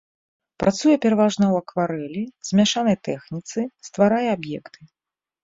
Працуе пераважна ў акварэлі, змяшанай тэхніцы, стварае аб'екты.